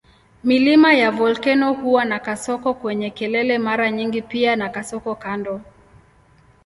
Milima ya volkeno huwa na kasoko kwenye kelele mara nyingi pia na kasoko kando.